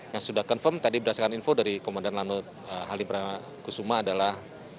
yang sudah confirm tadi berdasarkan info dari komandan lanut halim perdana kusuma adalah